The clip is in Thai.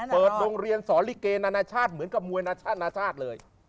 เปิดโรงเรียนสอนลิเกนานาชาติเหมือนกับมวยนาชาตินาชาติเลย